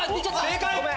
正解！